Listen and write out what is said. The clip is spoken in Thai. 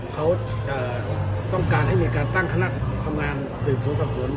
เขาต้องการจะตั้งขนาดอะไรหรือเป็น